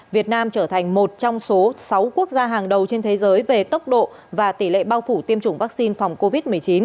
việt nam trở thành một trong số sáu quốc gia hàng đầu trên thế giới về tốc độ và tỷ lệ bao phủ tiêm chủng vaccine phòng covid một mươi chín